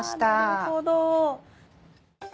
なるほど。